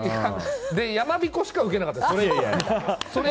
山びこしかウケなかったです